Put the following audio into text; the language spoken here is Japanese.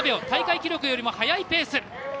大会記録よりも速いペース。